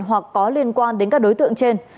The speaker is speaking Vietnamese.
hoặc có liên quan đến các đối tượng trên